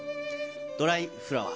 ドライフラワー。